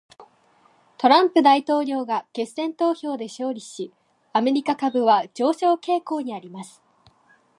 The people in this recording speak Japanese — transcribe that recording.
トランプ大統領が決選投票で勝利し、アメリカ株は上昇傾向にあります。